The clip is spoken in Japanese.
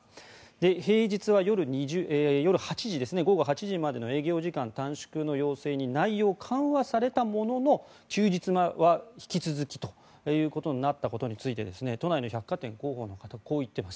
平日は午後８時までの営業時間短縮の要請に内容が緩和されたものの休日は引き続きということになったことについて都内の百貨店広報の方はこう言っています。